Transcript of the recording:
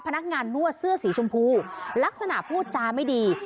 พนักงานนวดเสื้อสีชมพูลักษณะพูดจาไม่ดี